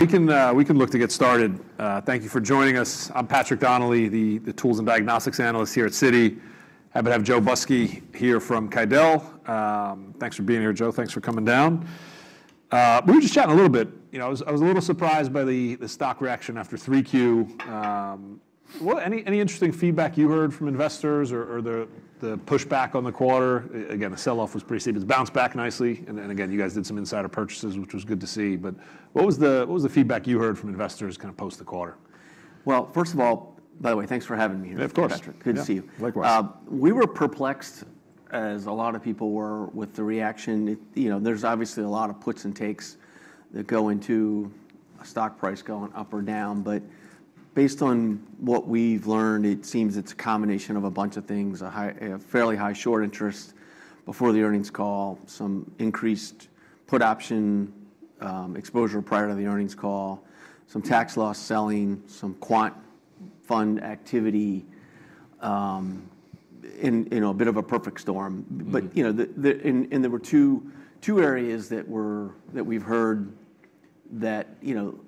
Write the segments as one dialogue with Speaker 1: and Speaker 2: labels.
Speaker 1: We can look to get started. Thank you for joining us. I'm Patrick Donnelly, the Tools and Diagnostics Analyst here at Citi. Happy to have Joe Busky here from QuidelOrtho. Thanks for being here, Joe. Thanks for coming down. We were just chatting a little bit. I was a little surprised by the stock reaction after 3Q. Any interesting feedback you heard from investors or the pushback on the quarter? Again, the sell-off was pretty steep. It's bounced back nicely. And again, you guys did some insider purchases, which was good to see. But what was the feedback you heard from investors kind of post the quarter?
Speaker 2: First of all, by the way, thanks for having me here, Patrick.
Speaker 1: Yeah, of course.
Speaker 2: Good to see you.
Speaker 1: Likewise.
Speaker 2: We were perplexed, as a lot of people were, with the reaction. There's obviously a lot of puts and takes that go into a stock price going up or down, but based on what we've learned, it seems it's a combination of a bunch of things: a fairly high short interest before the earnings call, some increased put option exposure prior to the earnings call, some tax loss selling, some quant fund activity, and a bit of a perfect storm, and there were two areas that we've heard that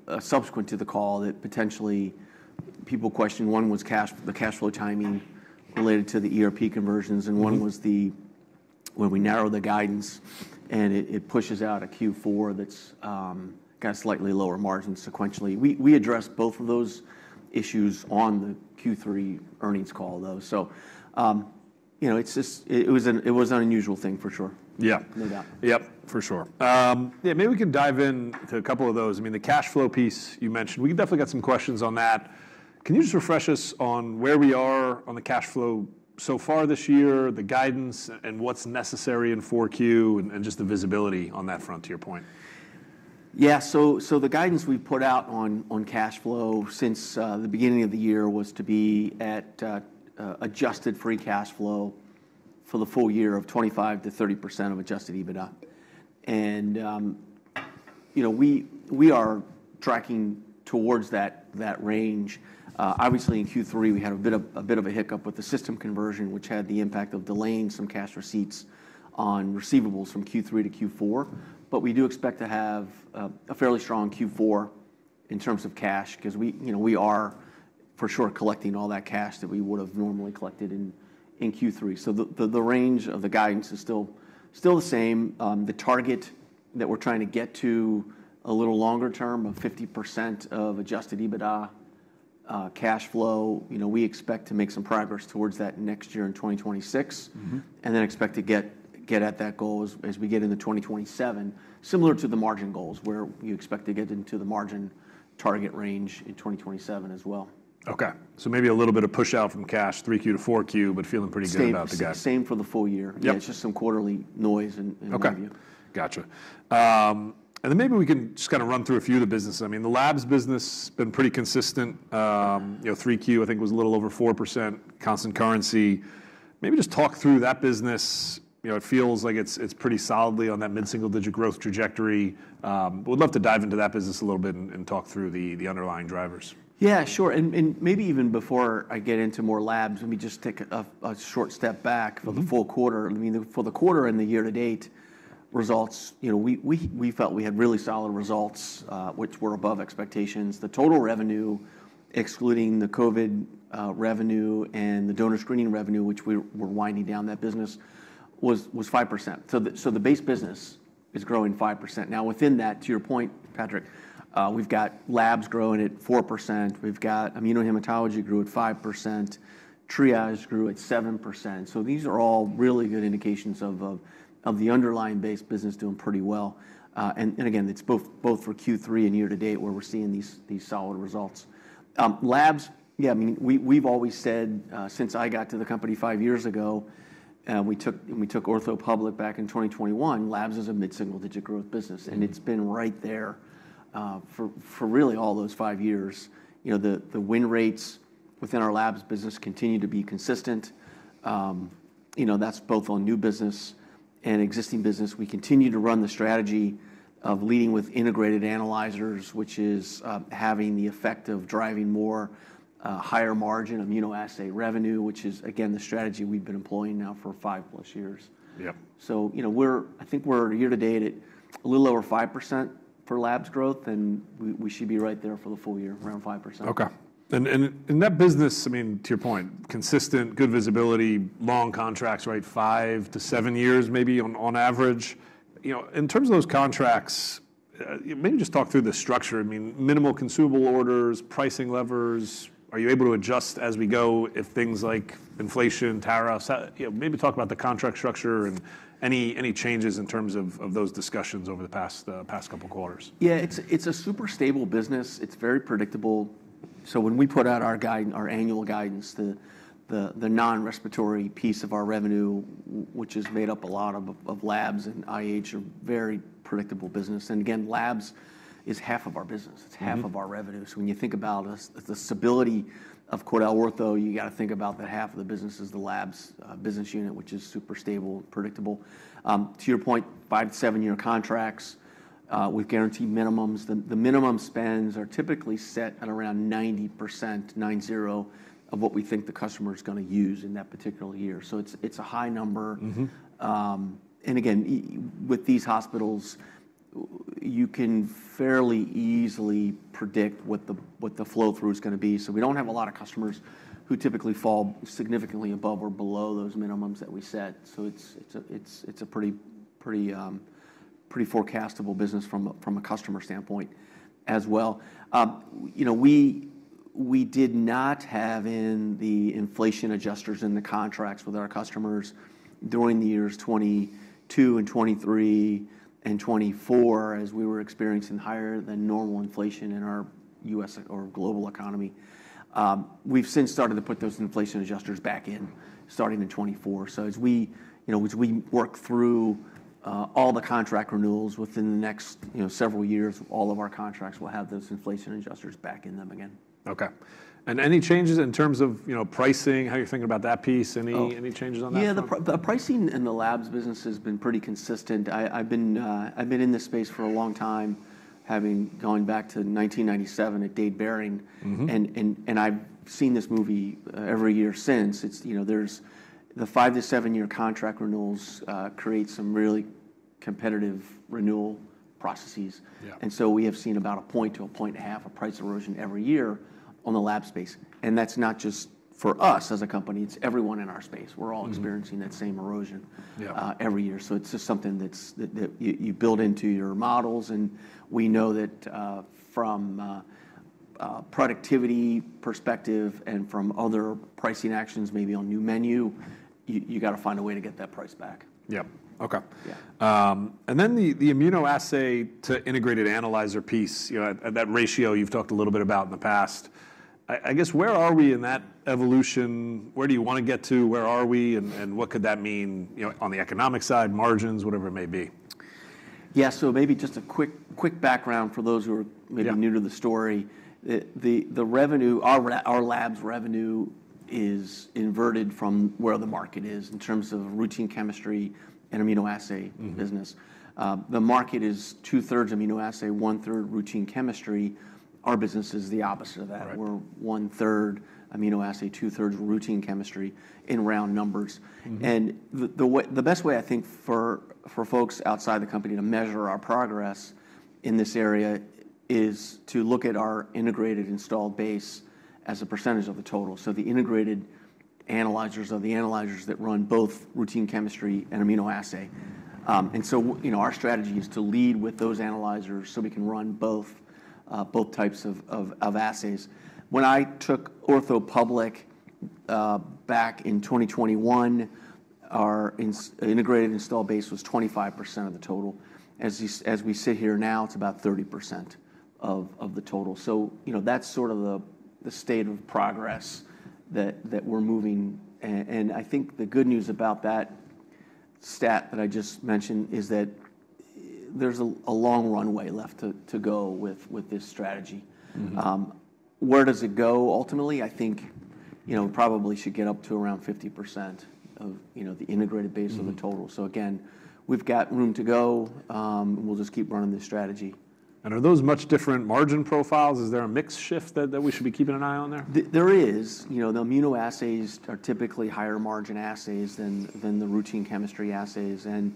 Speaker 2: are subsequent to the call that potentially people questioned. One was the cash flow timing related to the ERP conversions, and one was when we narrow the guidance and it pushes out a Q4 that's got slightly lower margins sequentially. We addressed both of those issues on the Q3 earnings call, though, so it was an unusual thing, for sure.
Speaker 1: Yeah.
Speaker 2: No doubt.
Speaker 1: Yep, for sure. Yeah, maybe we can dive into a couple of those. I mean, the cash flow piece you mentioned, we definitely got some questions on that. Can you just refresh us on where we are on the cash flow so far this year, the guidance, and what's necessary in 4Q, and just the visibility on that front to your point?
Speaker 2: Yeah. So the guidance we put out on cash flow since the beginning of the year was to be at adjusted free cash flow for the full year of 25%-30% of adjusted EBITDA. And we are tracking towards that range. Obviously, in Q3, we had a bit of a hiccup with the system conversion, which had the impact of delaying some cash receipts on receivables from Q3 to Q4. But we do expect to have a fairly strong Q4 in terms of cash because we are, for sure, collecting all that cash that we would have normally collected in Q3. So the range of the guidance is still the same. The target that we're trying to get to a little longer term, of 50% of adjusted EBITDA cash flow, we expect to make some progress towards that next year in 2026 and then expect to get at that goal as we get into 2027, similar to the margin goals where we expect to get into the margin target range in 2027 as well.
Speaker 1: OK. So maybe a little bit of push out from cash Q3 to Q4, but feeling pretty good about the guidance.
Speaker 2: Same for the full year. It's just some quarterly noise and review.
Speaker 1: OK. Gotcha. And then maybe we can just kind of run through a few of the businesses. I mean, the labs business has been pretty consistent. 3Q, I think, was a little over 4% constant currency. Maybe just talk through that business. It feels like it's pretty solidly on that mid-single digit growth trajectory. We'd love to dive into that business a little bit and talk through the underlying drivers.
Speaker 2: Yeah, sure. And maybe even before I get into more labs, let me just take a short step back for the full quarter. I mean, for the quarter and the year-to-date results, we felt we had really solid results, which were above expectations. The total revenue, excluding the COVID revenue and the donor screening revenue, which we were winding down that business, was 5%. So the base business is growing 5%. Now, within that, to your point, Patrick, we've got labs growing at 4%. We've got immunohematology grew at 5%. Triage grew at 7%. So these are all really good indications of the underlying base business doing pretty well. And again, it's both for Q3 and year-to-date where we're seeing these solid results. Labs, yeah, I mean, we've always said since I got to the company five years ago, we took Ortho public back in 2021, labs as a mid-single digit growth business, and it's been right there for really all those five years. The win rates within our labs business continue to be consistent. That's both on new business and existing business. We continue to run the strategy of leading with integrated analyzers, which is having the effect of driving more higher margin immunoassay revenue, which is, again, the strategy we've been employing now for 5+ years, so I think we're year-to-date at a little over 5% for labs growth, and we should be right there for the full year, around 5%.
Speaker 1: Okay. And that business, I mean, to your point, consistent, good visibility, long contracts, right, five to seven years maybe on average. In terms of those contracts, maybe just talk through the structure. I mean, minimal consumable orders, pricing levers. Are you able to adjust as we go if things like inflation, tariffs? Maybe talk about the contract structure and any changes in terms of those discussions over the past couple of quarters.
Speaker 2: Yeah, it's a super stable business. It's very predictable. So when we put out our annual guidance, the non-respiratory piece of our revenue, which is made up a lot of labs and IH, a very predictable business. And again, labs is half of our business. It's half of our revenue. So when you think about the stability of QuidelOrtho, you've got to think about that half of the business is the labs business unit, which is super stable, predictable. To your point, five to seven-year contracts with guaranteed minimums. The minimum spends are typically set at around 90%, 90 of what we think the customer is going to use in that particular year. So it's a high number. And again, with these hospitals, you can fairly easily predict what the flow through is going to be. So we don't have a lot of customers who typically fall significantly above or below those minimums that we set. So it's a pretty forecastable business from a customer standpoint as well. We did not have in the inflation adjusters in the contracts with our customers during the years 2022 and 2023 and 2024 as we were experiencing higher than normal inflation in our U.S. or global economy. We've since started to put those inflation adjusters back in starting in 2024. So as we work through all the contract renewals within the next several years, all of our contracts will have those inflation adjusters back in them again.
Speaker 1: OK. And any changes in terms of pricing, how you're thinking about that piece? Any changes on that?
Speaker 2: Yeah, the pricing in the labs business has been pretty consistent. I've been in this space for a long time, going back to 1997 at Dade Behring. And I've seen this movie every year since. The five to seven-year contract renewals create some really competitive renewal processes. And so we have seen about a point to a point and a half of price erosion every year on the lab space. And that's not just for us as a company. It's everyone in our space. We're all experiencing that same erosion every year. So it's just something that you build into your models. And we know that from a productivity perspective and from other pricing actions, maybe on new menu, you've got to find a way to get that price back.
Speaker 1: Yeah. OK. And then the immunoassay to integrated analyzer piece, that ratio you've talked a little bit about in the past. I guess where are we in that evolution? Where do you want to get to? Where are we? And what could that mean on the economic side, margins, whatever it may be?
Speaker 2: Yeah, so maybe just a quick background for those who are maybe new to the story. Our labs revenue is inverted from where the market is in terms of routine chemistry and immunoassay business. The market is 2/3 immunoassay, 1/3 routine chemistry. Our business is the opposite of that. We're 1/3 immunoassay, 2/3 routine chemistry in round numbers. And the best way, I think, for folks outside the company to measure our progress in this area is to look at our integrated installed base as a percentage of the total. So the integrated analyzers are the analyzers that run both routine chemistry and immunoassay. And so our strategy is to lead with those analyzers so we can run both types of assays. When I took Ortho public back in 2021, our integrated installed base was 25% of the total. As we sit here now, it's about 30% of the total. So that's sort of the state of progress that we're moving. And I think the good news about that stat that I just mentioned is that there's a long runway left to go with this strategy. Where does it go ultimately? I think we probably should get up to around 50% of the integrated base of the total. So again, we've got room to go. We'll just keep running this strategy.
Speaker 1: Are those much different margin profiles? Is there a mixed shift that we should be keeping an eye on there?
Speaker 2: There is. The immunoassays are typically higher margin assays than the routine chemistry assays. And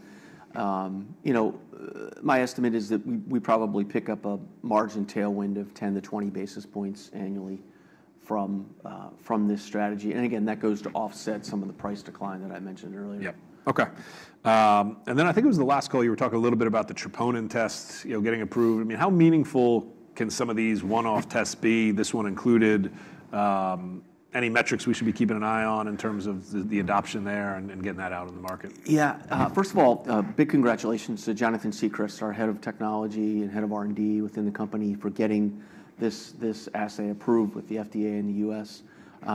Speaker 2: my estimate is that we probably pick up a margin tailwind of 10 basis points-20 basis points annually from this strategy. And again, that goes to offset some of the price decline that I mentioned earlier.
Speaker 1: Yeah. OK. And then I think it was the last call you were talking a little bit about the troponin tests getting approved. I mean, how meaningful can some of these one-off tests be, this one included? Any metrics we should be keeping an eye on in terms of the adoption there and getting that out in the market?
Speaker 2: Yeah. First of all, big congratulations to Jonathan Siegrist, our Head of Technology and Head of R&D within the company for getting this assay approved with the FDA in the U.S..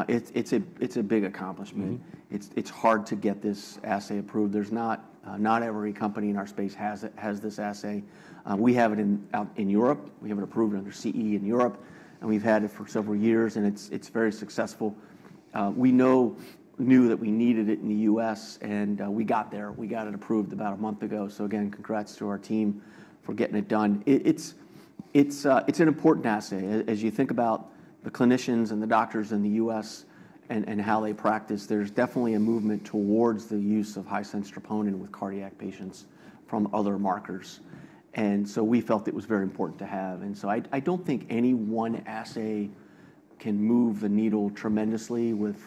Speaker 2: It's a big accomplishment. It's hard to get this assay approved. Not every company in our space has this assay. We have it in Europe. We have it approved under CE in Europe. And we've had it for several years. And it's very successful. We knew that we needed it in the U.S.. And we got there. We got it approved about a month ago. So again, congrats to our team for getting it done. It's an important assay. As you think about the clinicians and the doctors in the U.S. and how they practice, there's definitely a movement towards the use of high-sense troponin with cardiac patients from other markers. And so we felt it was very important to have. And so I don't think any one assay can move the needle tremendously with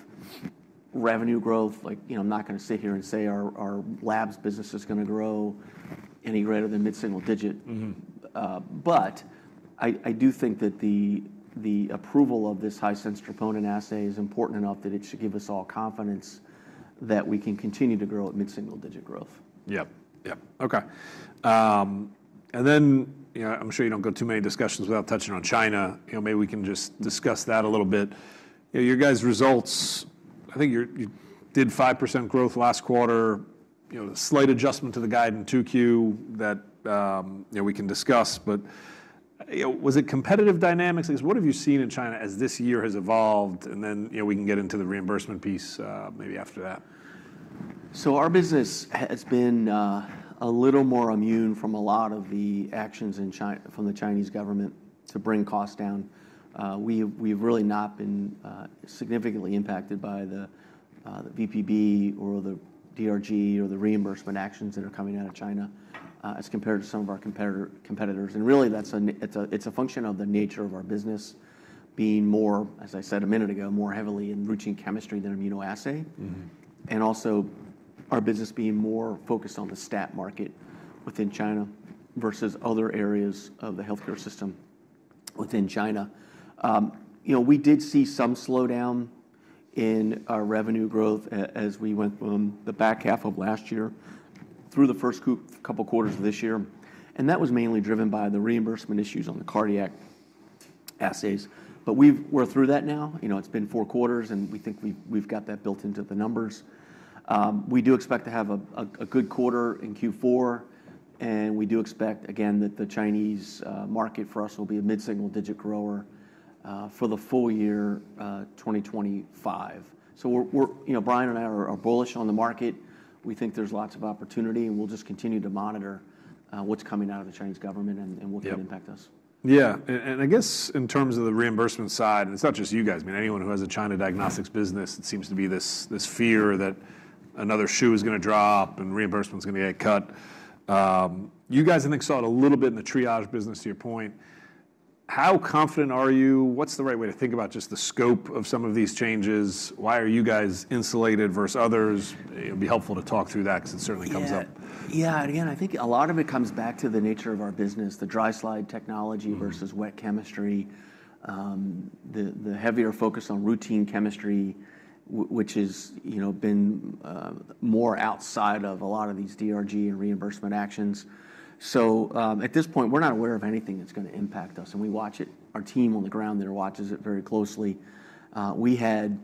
Speaker 2: revenue growth. I'm not going to sit here and say our labs business is going to grow any greater than mid-single digit. But I do think that the approval of this high-sensitivity troponin assay is important enough that it should give us all confidence that we can continue to grow at mid-single digit growth.
Speaker 1: Yeah. Yeah. OK. And then I'm sure you don't go too many discussions without touching on China. Maybe we can just discuss that a little bit. Your guys' results, I think you did 5% growth last quarter, a slight adjustment to the guide in 2Q that we can discuss. But was it competitive dynamics? What have you seen in China as this year has evolved? And then we can get into the reimbursement piece maybe after that.
Speaker 2: Our business has been a little more immune from a lot of the actions from the Chinese government to bring costs down. We've really not been significantly impacted by the VBP or the DRG or the reimbursement actions that are coming out of China as compared to some of our competitors. And really, it's a function of the nature of our business being more, as I said a minute ago, more heavily in routine chemistry than immunoassay. And also our business being more focused on the stat market within China versus other areas of the health care system within China. We did see some slowdown in our revenue growth as we went from the back half of last year through the first couple of quarters of this year. And that was mainly driven by the reimbursement issues on the cardiac assays. But we're through that now. It's been four quarters, and we think we've got that built into the numbers. We do expect to have a good quarter in Q4, and we do expect, again, that the Chinese market for us will be a mid-single digit grower for the full year 2025, so Brian and I are bullish on the market. We think there's lots of opportunity, and we'll just continue to monitor what's coming out of the Chinese government and what can impact us.
Speaker 1: Yeah. And I guess in terms of the reimbursement side, and it's not just you guys. I mean, anyone who has a China diagnostics business, it seems to be this fear that another shoe is going to drop and reimbursement is going to get cut. You guys, I think, saw it a little bit in the Triage business, to your point. How confident are you? What's the right way to think about just the scope of some of these changes? Why are you guys insulated versus others? It would be helpful to talk through that because it certainly comes up.
Speaker 2: Yeah. Again, I think a lot of it comes back to the nature of our business, the dry slide technology versus wet chemistry, the heavier focus on routine chemistry, which has been more outside of a lot of these DRG and reimbursement actions. So at this point, we're not aware of anything that's going to impact us, and we watch it. Our team on the ground there watches it very closely. We had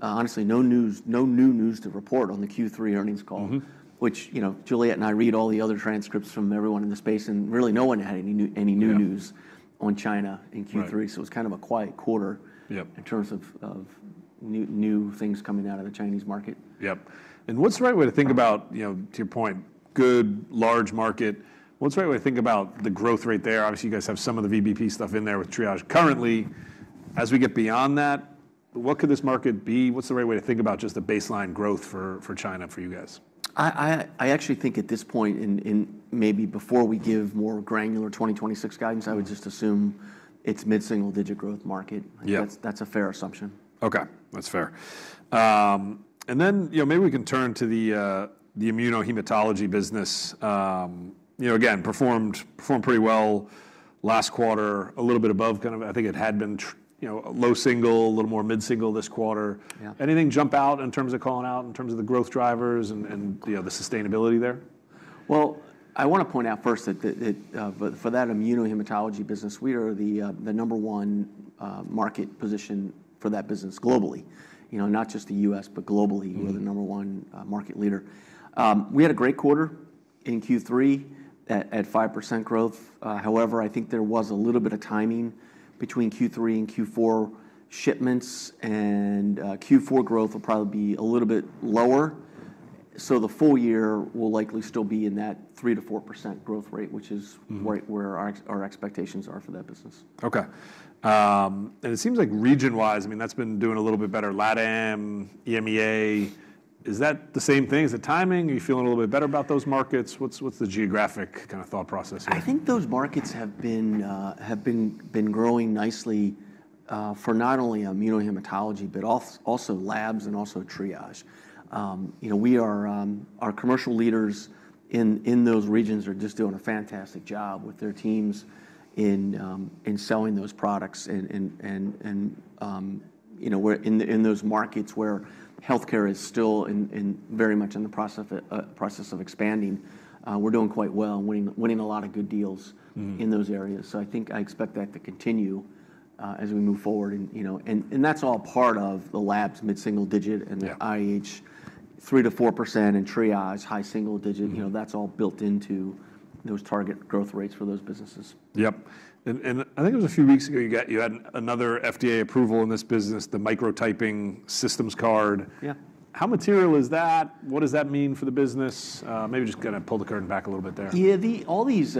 Speaker 2: honestly no news to report on the Q3 earnings call, which Juliet and I read all the other transcripts from everyone in the space, and really, no one had any new news on China in Q3. So it was kind of a quiet quarter in terms of new things coming out of the Chinese market.
Speaker 1: Yeah. And what's the right way to think about, to your point, good, large market? What's the right way to think about the growth rate there? Obviously, you guys have some of the VBP stuff in there with Triage. Currently, as we get beyond that, what could this market be? What's the right way to think about just the baseline growth for China for you guys?
Speaker 2: I actually think at this point, and maybe before we give more granular 2026 guidance, I would just assume it's mid-single digit growth market. That's a fair assumption.
Speaker 1: OK. That's fair. And then maybe we can turn to the immunohematology business. Again, performed pretty well last quarter, a little bit above kind of I think it had been low single, a little more mid-single this quarter. Anything jump out in terms of calling out in terms of the growth drivers and the sustainability there?
Speaker 2: I want to point out first that for that immunohematology business, we are the number one market position for that business globally, not just the U.S., but globally. We're the number one market leader. We had a great quarter in Q3 at 5% growth. However, I think there was a little bit of timing between Q3 and Q4 shipments. And Q4 growth will probably be a little bit lower. So the full year will likely still be in that 3%-4% growth rate, which is where our expectations are for that business.
Speaker 1: OK. And it seems like region-wise, I mean, that's been doing a little bit better. LATAM, EMEA, is that the same thing? Is it timing? Are you feeling a little bit better about those markets? What's the geographic kind of thought process here?
Speaker 2: I think those markets have been growing nicely for not only immunohematology, but also labs and also Triage. Our commercial leaders in those regions are just doing a fantastic job with their teams in selling those products. And we're in those markets where health care is still very much in the process of expanding. We're doing quite well and winning a lot of good deals in those areas. So I think I expect that to continue as we move forward. And that's all part of the labs mid-single digit and the IH 3%-4% and Triage high single digit. That's all built into those target growth rates for those businesses.
Speaker 1: Yep. And I think it was a few weeks ago you had another FDA approval in this business, the Micro Typing Systems card. How material is that? What does that mean for the business? Maybe just going to pull the curtain back a little bit there.
Speaker 2: Yeah. All these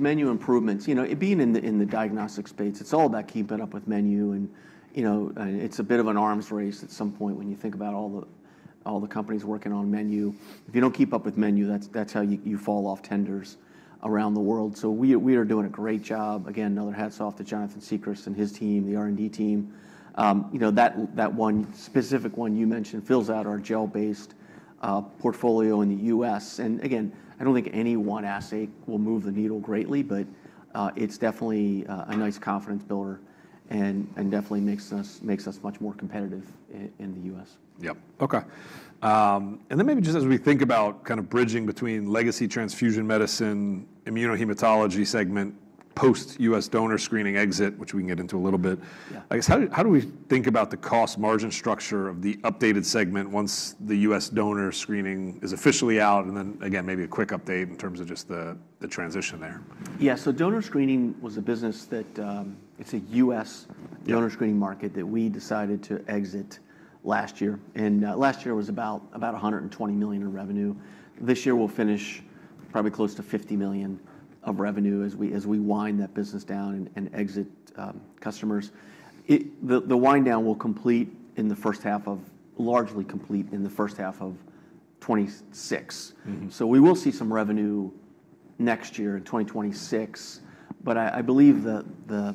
Speaker 2: menu improvements, being in the diagnostic space, it's all about keeping up with menu. And it's a bit of an arms race at some point when you think about all the companies working on menu. If you don't keep up with menu, that's how you fall off tenders around the world. So we are doing a great job. Again, another hats off to Jonathan Siegrist and his team, the R&D team. That one specific one you mentioned fills out our gel-based portfolio in the U.S.. And again, I don't think any one assay will move the needle greatly. But it's definitely a nice confidence builder and definitely makes us much more competitive in the U.S..
Speaker 1: Yeah. OK. And then maybe just as we think about kind of bridging between legacy transfusion medicine, immunohematology segment, post-U.S. donor screening exit, which we can get into a little bit, I guess, how do we think about the cost margin structure of the updated segment once the U.S. donor screening is officially out? And then again, maybe a quick update in terms of just the transition there.
Speaker 2: Yeah. So donor screening was a business that it's the U.S. donor screening market that we decided to exit last year. And last year was about $120 million in revenue. This year, we'll finish probably close to $50 million of revenue as we wind that business down and exit customers. The wind down will complete in the first half of, largely complete in the first half of 2026. So we will see some revenue next year in 2026. But I believe the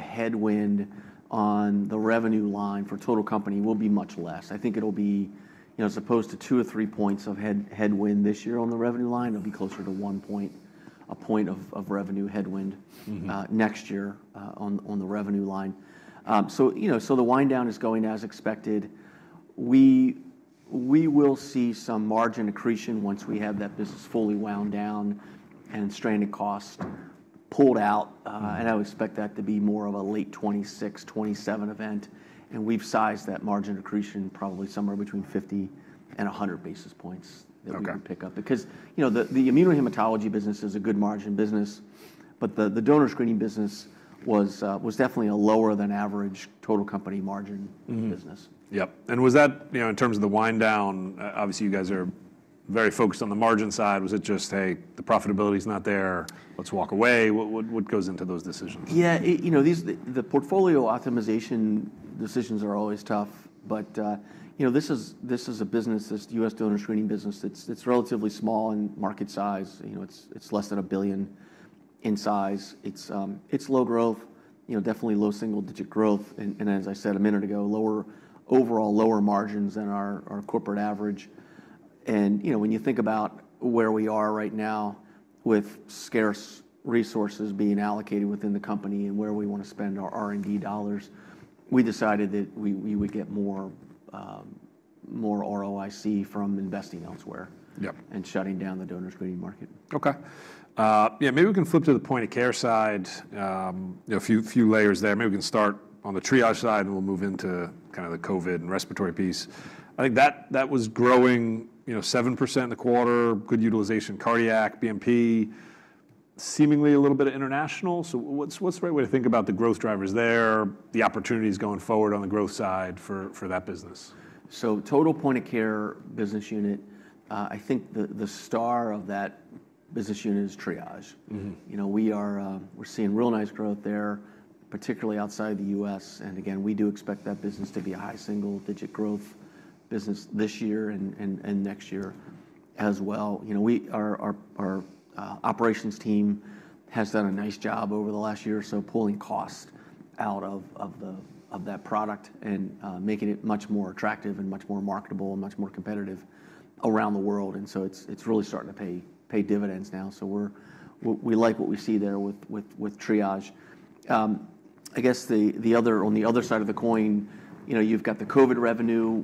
Speaker 2: headwind on the revenue line for total company will be much less. I think it'll be as opposed to two or three points of headwind this year on the revenue line, it'll be closer to one point, a point of revenue headwind next year on the revenue line. So the wind down is going as expected. We will see some margin accretion once we have that business fully wound down and stranded cost pulled out. And I would expect that to be more of a late 2026, 2027 event. And we've sized that margin accretion probably somewhere between 50 basis points and 100 basis points that we can pick up. Because the immunohematology business is a good margin business. But the donor screening business was definitely a lower than average total company margin business.
Speaker 1: Yep. And was that in terms of the wind down? Obviously, you guys are very focused on the margin side. Was it just, hey, the profitability is not there? Let's walk away? What goes into those decisions?
Speaker 2: Yeah. The portfolio optimization decisions are always tough. But this is a business, this U.S. donor screening business, that's relatively small in market size. It's less than $1 billion in size. It's low growth, definitely low single digit growth. And as I said a minute ago, lower overall margins than our corporate average. And when you think about where we are right now with scarce resources being allocated within the company and where we want to spend our R&D dollars, we decided that we would get more ROIC from investing elsewhere and shutting down the donor screening market.
Speaker 1: Okay. Yeah. Maybe we can flip to the point of care side, a few layers there. Maybe we can start on the Triage side, and we'll move into kind of the COVID and respiratory piece. I think that was growing 7% in the quarter, good utilization cardiac, BNP, seemingly a little bit of international. So what's the right way to think about the growth drivers there, the opportunities going forward on the growth side for that business?
Speaker 2: So, total point-of-care business unit, I think the star of that business unit is Triage. We're seeing real nice growth there, particularly outside the U.S.. And again, we do expect that business to be a high single digit growth business this year and next year as well. Our operations team has done a nice job over the last year or so pulling costs out of that product and making it much more attractive and much more marketable and much more competitive around the world. And so it's really starting to pay dividends now. So we like what we see there with Triage. I guess on the other side of the coin, you've got the COVID revenue.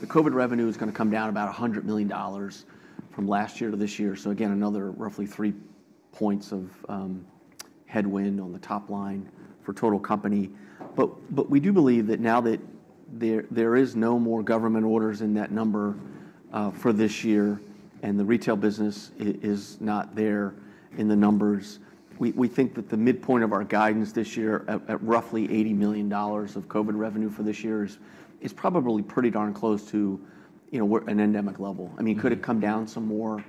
Speaker 2: The COVID revenue is going to come down about $100 million from last year to this year. So again, another roughly three points of headwind on the top line for total company. But we do believe that now that there is no more government orders in that number for this year and the retail business is not there in the numbers, we think that the midpoint of our guidance this year at roughly $80 million of COVID revenue for this year is probably pretty darn close to an endemic level. I mean, could it come down some more?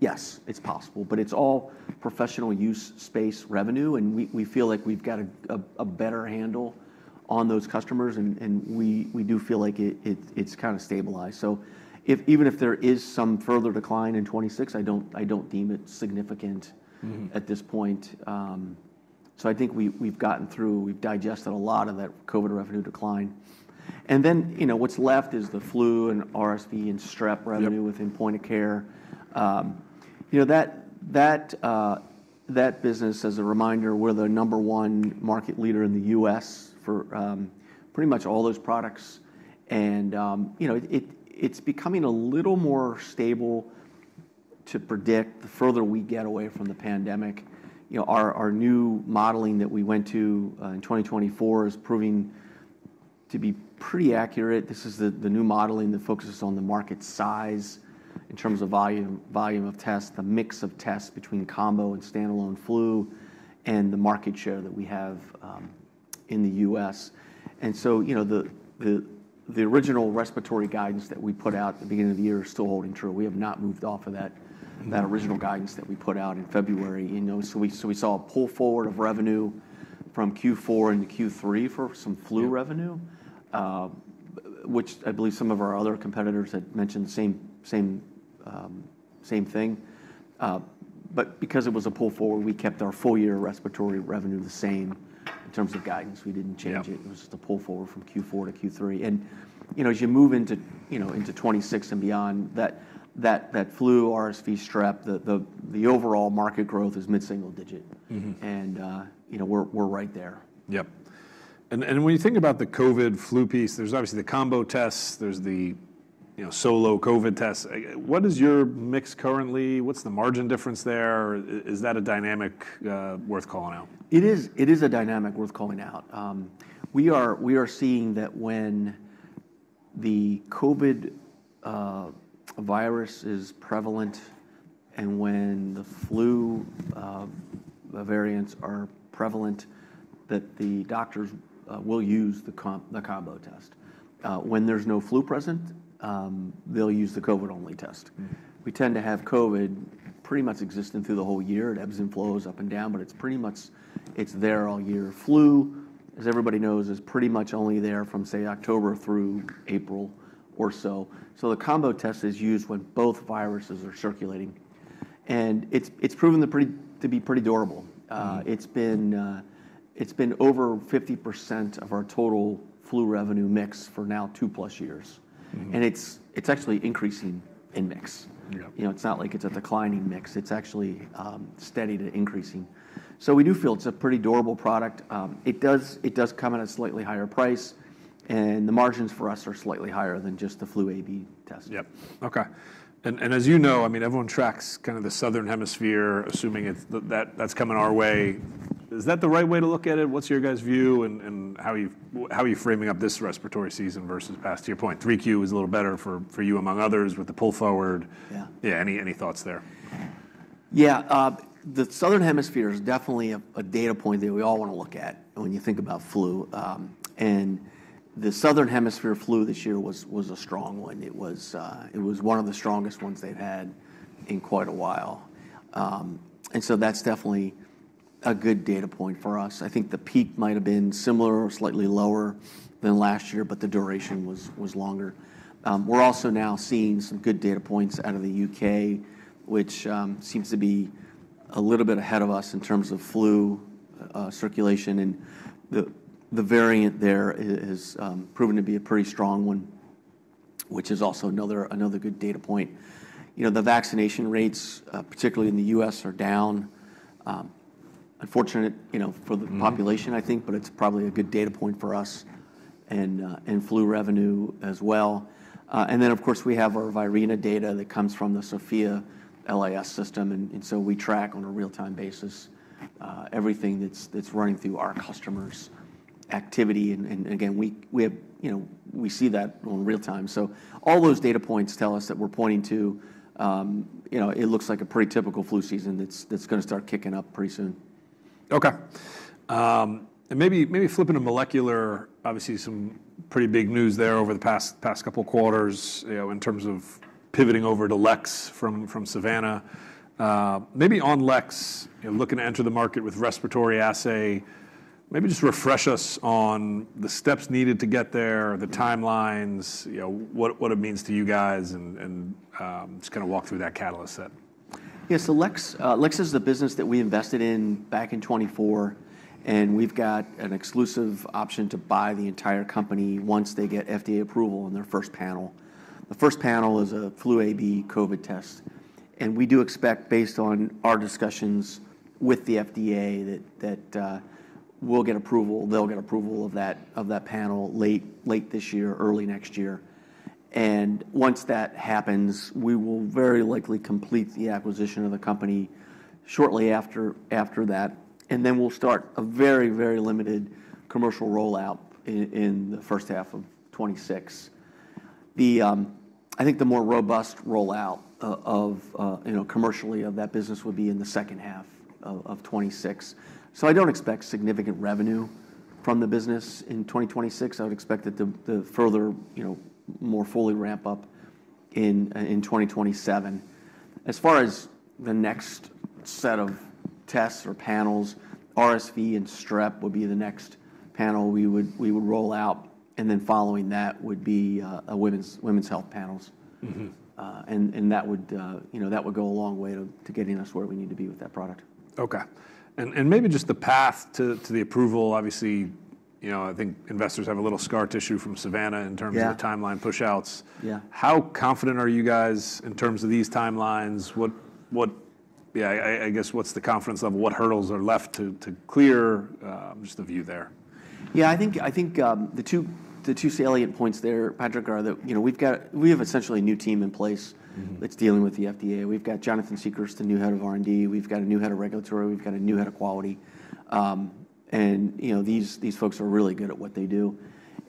Speaker 2: Yes, it's possible. But it's all professional use space revenue. And we feel like we've got a better handle on those customers. And we do feel like it's kind of stabilized. So even if there is some further decline in 2026, I don't deem it significant at this point. So I think we've gotten through. We've digested a lot of that COVID revenue decline. And then what's left is the flu and RSV and strep revenue within point of care. That business, as a reminder, we're the number one market leader in the U.S. for pretty much all those products, and it's becoming a little more stable to predict the further we get away from the pandemic. Our new modeling that we went to in 2024 is proving to be pretty accurate. This is the new modeling that focuses on the market size in terms of volume of tests, the mix of tests between combo and standalone flu, and the market share that we have in the U.S., and so the original respiratory guidance that we put out at the beginning of the year is still holding true. We have not moved off of that original guidance that we put out in February. So we saw a pull forward of revenue from Q4 into Q3 for some flu revenue, which I believe some of our other competitors had mentioned the same thing. But because it was a pull forward, we kept our full year respiratory revenue the same in terms of guidance. We didn't change it. It was just a pull forward from Q4 to Q3. And as you move into 2026 and beyond, that flu, RSV, strep, the overall market growth is mid-single digit. And we're right there.
Speaker 1: Yep. And when you think about the COVID flu piece, there's obviously the combo tests. There's the solo COVID tests. What is your mix currently? What's the margin difference there? Is that a dynamic worth calling out?
Speaker 2: It is a dynamic worth calling out. We are seeing that when the COVID virus is prevalent and when the flu variants are prevalent, that the doctors will use the combo test. When there's no flu present, they'll use the COVID-only test. We tend to have COVID pretty much existing through the whole year. It ebbs and flows up and down. But it's pretty much there all year. Flu, as everybody knows, is pretty much only there from, say, October through April or so. So the combo test is used when both viruses are circulating. And it's proven to be pretty durable. It's been over 50% of our total flu revenue mix for now 2+ years. And it's actually increasing in mix. It's not like it's a declining mix. It's actually steady to increasing. So we do feel it's a pretty durable product. It does come at a slightly higher price, and the margins for us are slightly higher than just the flu A/B test.
Speaker 1: Yep. OK. And as you know, I mean, everyone tracks kind of the southern hemisphere, assuming that's coming our way. Is that the right way to look at it? What's your guys' view and how are you framing up this respiratory season versus past? To your point, 3Q was a little better for you among others with the pull forward. Yeah. Any thoughts there?
Speaker 2: Yeah. The Southern Hemisphere is definitely a data point that we all want to look at when you think about flu. And the Southern Hemisphere flu this year was a strong one. It was one of the strongest ones they've had in quite a while. And so that's definitely a good data point for us. I think the peak might have been similar or slightly lower than last year. But the duration was longer. We're also now seeing some good data points out of the U.K., which seems to be a little bit ahead of us in terms of flu circulation. And the variant there has proven to be a pretty strong one, which is also another good data point. The vaccination rates, particularly in the U.S., are down. Unfortunate for the population, I think. But it's probably a good data point for us and flu revenue as well. And then, of course, we have our VIRENA data that comes from the Sofia LIS system. And so we track on a real-time basis everything that's running through our customers' activity. And again, we see that in real time. So all those data points tell us that we're pointing to it looks like a pretty typical flu season that's going to start kicking up pretty soon.
Speaker 1: OK. And maybe flipping to molecular, obviously some pretty big news there over the past couple of quarters in terms of pivoting over to LEX from SAVANNA. Maybe on LEX, looking to enter the market with respiratory assay, maybe just refresh us on the steps needed to get there, the timelines, what it means to you guys, and just kind of walk through that catalyst set.
Speaker 2: Yeah. So LEX is the business that we invested in back in 2024. And we've got an exclusive option to buy the entire company once they get FDA approval on their first panel. The first panel is a flu A/B COVID test. And we do expect, based on our discussions with the FDA, that we'll get approval. They'll get approval of that panel late this year, early next year. And once that happens, we will very likely complete the acquisition of the company shortly after that. And then we'll start a very, very limited commercial rollout in the first half of 2026. I think the more robust rollout commercially of that business would be in the second half of 2026. So I don't expect significant revenue from the business in 2026. I would expect it to further more fully ramp up in 2027. As far as the next set of tests or panels, RSV and strep would be the next panel we would roll out. And then following that would be women's health panels. And that would go a long way to getting us where we need to be with that product.
Speaker 1: OK. And maybe just the path to the approval, obviously I think investors have a little scar tissue from SAVANNA in terms of the timeline push outs. How confident are you guys in terms of these timelines? Yeah, I guess what's the confidence level? What hurdles are left to clear? Just a view there.
Speaker 2: Yeah. I think the two salient points there, Patrick, are that we have essentially a new team in place that's dealing with the FDA. We've got Jonathan Siegrist, the new Head of R&D. We've got a new Head of Regulatory. We've got a new Head of Quality. And these folks are really good at what they do.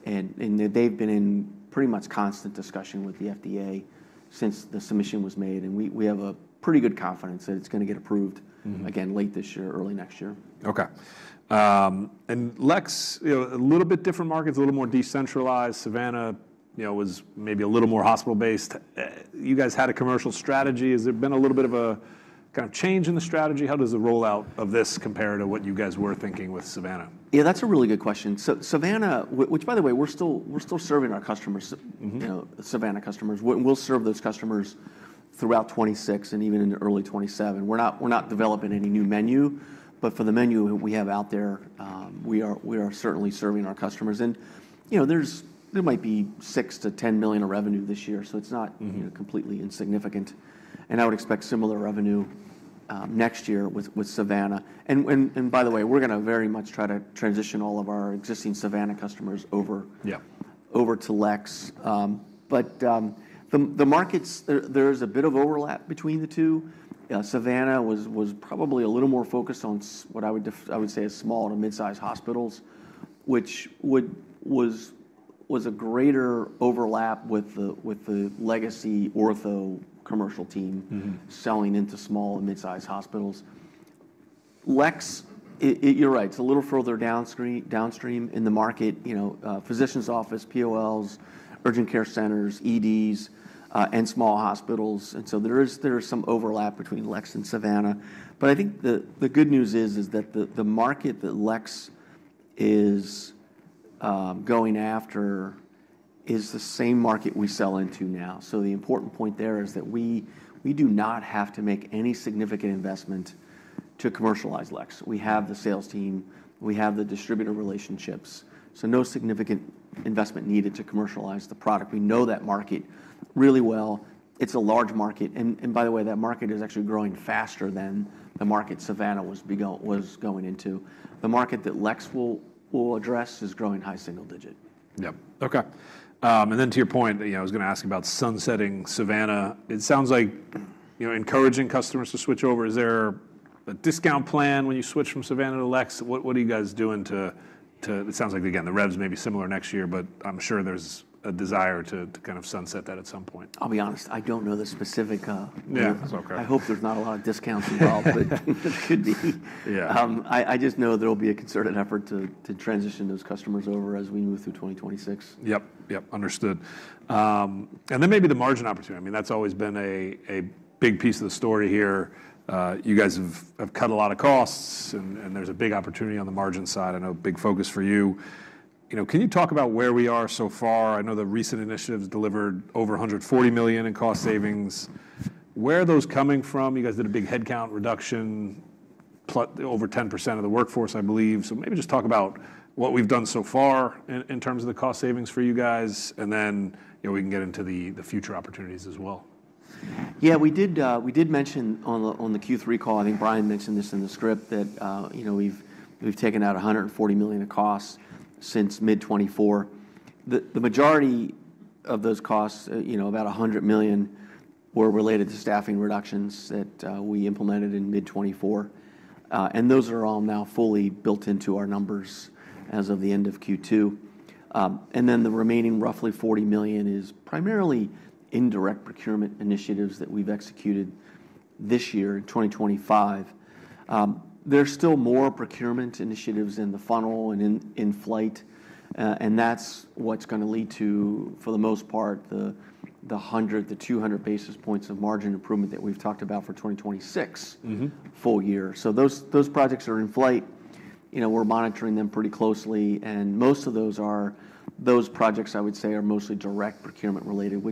Speaker 2: And they've been in pretty much constant discussion with the FDA since the submission was made. And we have a pretty good confidence that it's going to get approved again late this year, early next year.
Speaker 1: OK, and LEX, a little bit different markets, a little more decentralized. SAVANNA was maybe a little more hospital-based. You guys had a commercial strategy. Has there been a little bit of a kind of change in the strategy? How does the rollout of this compare to what you guys were thinking with SAVANNA?
Speaker 2: Yeah. That's a really good question. So SAVANNA, which, by the way, we're still serving our customers, SAVANNA customers. We'll serve those customers throughout 2026 and even in early 2027. We're not developing any new menu. But for the menu we have out there, we are certainly serving our customers. And there might be $6 million-$10 million of revenue this year. So it's not completely insignificant. And I would expect similar revenue next year with SAVANNA. And by the way, we're going to very much try to transition all of our existing SAVANNA customers over to LEX. But the markets, there is a bit of overlap between the two. SAVANNA was probably a little more focused on what I would say is small and mid-sized hospitals, which was a greater overlap with the legacy Ortho commercial team selling into small and mid-sized hospitals. LEX, you're right. It's a little further downstream in the market: physician's office, POLs, urgent care centers, EDs, and small hospitals. And so there is some overlap between LEX and SAVANNA. But I think the good news is that the market that LEX is going after is the same market we sell into now. So the important point there is that we do not have to make any significant investment to commercialize LEX. We have the sales team. We have the distributor relationships. So no significant investment needed to commercialize the product. We know that market really well. It's a large market. And by the way, that market is actually growing faster than the market SAVANNA was going into. The market that LEX will address is growing high single digit.
Speaker 1: Yep. OK. And then to your point, I was going to ask about sunsetting SAVANNA. It sounds like encouraging customers to switch over. Is there a discount plan when you switch from SAVANNA to LEX? What are you guys doing to it? It sounds like, again, the revs may be similar next year. But I'm sure there's a desire to kind of sunset that at some point.
Speaker 2: I'll be honest, I don't know the specific.
Speaker 1: Yeah. That's OK.
Speaker 2: I hope there's not a lot of discounts involved. But it could be. I just know there will be a concerted effort to transition those customers over as we move through 2026.
Speaker 1: Yep. Yep. Understood. And then maybe the margin opportunity. I mean, that's always been a big piece of the story here. You guys have cut a lot of costs. And there's a big opportunity on the margin side. I know a big focus for you. Can you talk about where we are so far? I know the recent initiatives delivered over $140 million in cost savings. Where are those coming from? You guys did a big headcount reduction, over 10% of the workforce, I believe. So maybe just talk about what we've done so far in terms of the cost savings for you guys. And then we can get into the future opportunities as well.
Speaker 2: Yeah. We did mention on the Q3 call, I think Brian mentioned this in the script, that we've taken out $140 million in costs since mid-2024. The majority of those costs, about $100 million, were related to staffing reductions that we implemented in mid-2024. And those are all now fully built into our numbers as of the end of Q2. And then the remaining roughly $40 million is primarily indirect procurement initiatives that we've executed this year in 2025. There's still more procurement initiatives in the funnel and in flight. And that's what's going to lead to, for the most part, the 100 basis points to 200 basis points of margin improvement that we've talked about for 2026 full year. So those projects are in flight. We're monitoring them pretty closely. And most of those projects, I would say, are mostly direct procurement related,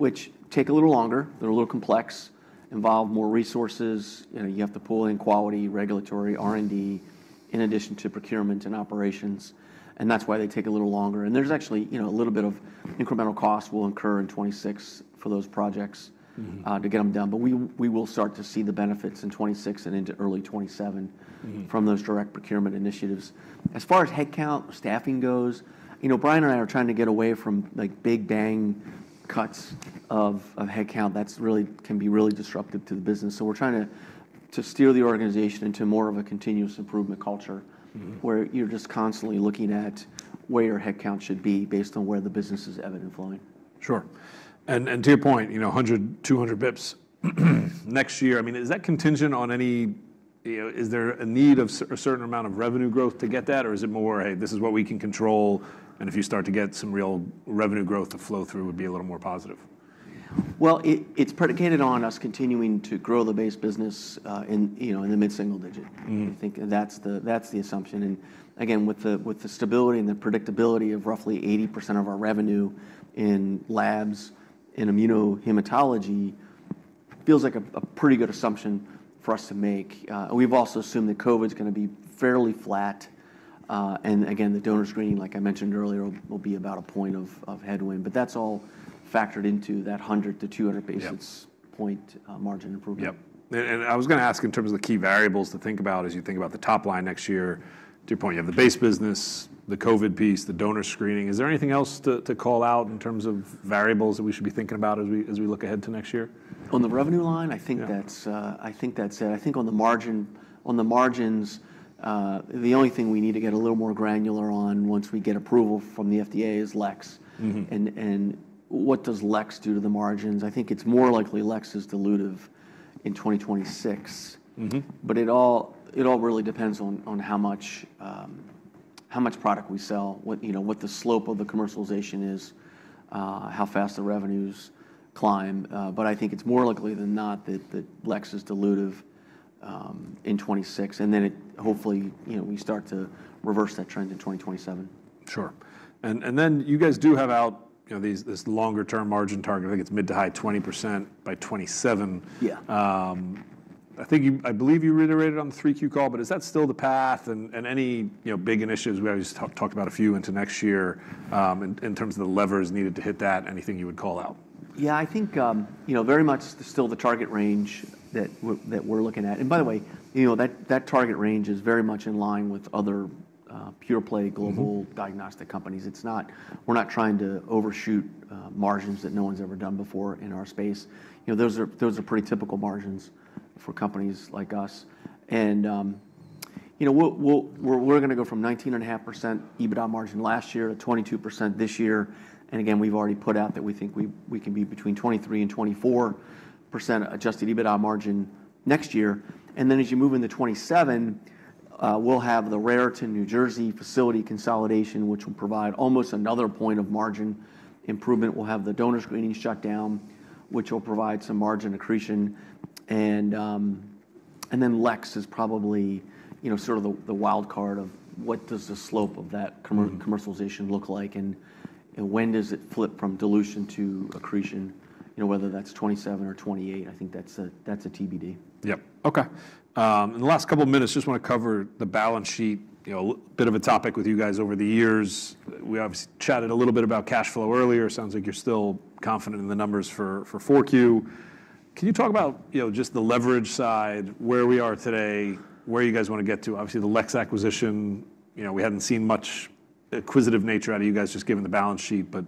Speaker 2: which take a little longer. They're a little complex, involve more resources. You have to pull in quality, regulatory, R&D, in addition to procurement and operations. And that's why they take a little longer. And there's actually a little bit of incremental costs we'll incur in 2026 for those projects to get them done. But we will start to see the benefits in 2026 and into early 2027 from those direct procurement initiatives. As far as headcount staffing goes, Brian and I are trying to get away from big bang cuts of headcount. That can be really disruptive to the business. So we're trying to steer the organization into more of a continuous improvement culture where you're just constantly looking at where your headcount should be based on where the business is ebbing and flowing.
Speaker 1: Sure. And to your point, 100 basis points, 200 basis points next year, I mean, is that contingent on anything? Is there a need of a certain amount of revenue growth to get that? Or is it more, hey, this is what we can control. And if you start to get some real revenue growth to flow through, it would be a little more positive?
Speaker 2: It's predicated on us continuing to grow the base business in the mid-single digit. I think that's the assumption. Again, with the stability and the predictability of roughly 80% of our revenue in labs and immunohematology, it feels like a pretty good assumption for us to make. We've also assumed that COVID is going to be fairly flat. Again, the donor screening, like I mentioned earlier, will be about a point of headwind. That's all factored into that 100 basis points-200 basis points margin improvement.
Speaker 1: Yep. And I was going to ask in terms of the key variables to think about as you think about the top line next year. To your point, you have the base business, the COVID piece, the donor screening. Is there anything else to call out in terms of variables that we should be thinking about as we look ahead to next year?
Speaker 2: On the revenue line, I think that's it. I think on the margins, the only thing we need to get a little more granular on once we get approval from the FDA is LEX. And what does LEX do to the margins? I think it's more likely LEX is dilutive in 2026. But it all really depends on how much product we sell, what the slope of the commercialization is, how fast the revenues climb. But I think it's more likely than not that LEX is dilutive in 2026. And then hopefully we start to reverse that trend in 2027.
Speaker 1: Sure. And then you guys do have out this longer-term margin target. I think it's mid to high 20% by 2027. I believe you reiterated on the 3Q call. But is that still the path? And any big initiatives? We always talk about a few into next year in terms of the levers needed to hit that, anything you would call out?
Speaker 2: Yeah. I think very much still the target range that we're looking at. And by the way, that target range is very much in line with other pure play global diagnostic companies. We're not trying to overshoot margins that no one's ever done before in our space. Those are pretty typical margins for companies like us. And we're going to go from 19.5% EBITDA margin last year to 22% this year. And again, we've already put out that we think we can be between 23% and 24% adjusted EBITDA margin next year. And then as you move into 2027, we'll have the Raritan, New Jersey facility consolidation, which will provide almost another point of margin improvement. We'll have the donor screening shut down, which will provide some margin accretion. And then LEX is probably sort of the wild card of what does the slope of that commercialization look like? When does it flip from dilution to accretion, whether that's 2027 or 2028? I think that's a TBD.
Speaker 1: Yep. OK. In the last couple of minutes, just want to cover the balance sheet, a bit of a topic with you guys over the years. We obviously chatted a little bit about cash flow earlier. It sounds like you're still confident in the numbers for 4Q. Can you talk about just the leverage side, where we are today, where you guys want to get to? Obviously, the LEX acquisition, we hadn't seen much acquisitive nature out of you guys just given the balance sheet. But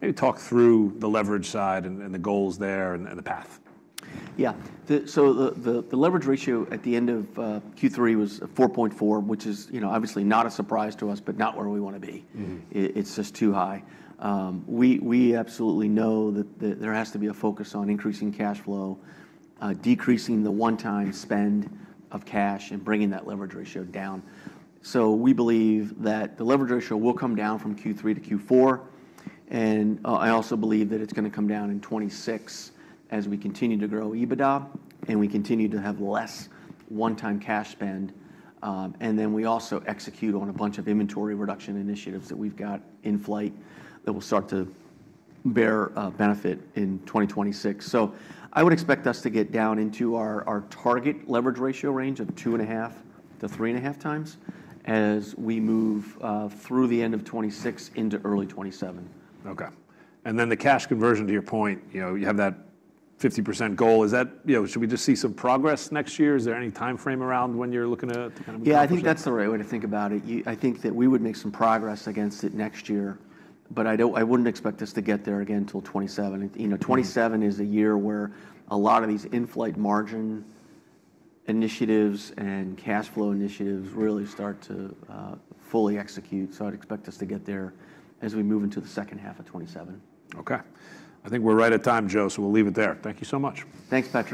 Speaker 1: maybe talk through the leverage side and the goals there and the path.
Speaker 2: Yeah. The leverage ratio at the end of Q3 was 4.4x, which is obviously not a surprise to us, but not where we want to be. It's just too high. We absolutely know that there has to be a focus on increasing cash flow, decreasing the one-time spend of cash, and bringing that leverage ratio down. We believe that the leverage ratio will come down from Q3 to Q4. I also believe that it's going to come down in 2026 as we continue to grow EBITDA and we continue to have less one-time cash spend. Then we also execute on a bunch of inventory reduction initiatives that we've got in flight that will start to bear benefit in 2026. I would expect us to get down into our target leverage ratio range of 2.5x-3.5x as we move through the end of 2026 into early 2027.
Speaker 1: OK, and then the cash conversion, to your point, you have that 50% goal. Should we just see some progress next year? Is there any time frame around when you're looking to kind of?
Speaker 2: Yeah. I think that's the right way to think about it. I think that we would make some progress against it next year. But I wouldn't expect us to get there again until 2027. 2027 is a year where a lot of these in-flight margin initiatives and cash flow initiatives really start to fully execute. So I'd expect us to get there as we move into the second half of 2027.
Speaker 1: OK. I think we're right at time, Joe. So we'll leave it there. Thank you so much.
Speaker 2: Thanks, Patrick.